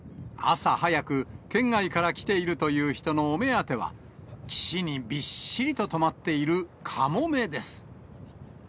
朝早く、県外から来ているという人のお目当ては、岸にびっしりと止まっているカモメです。